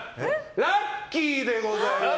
ラッキーでございます！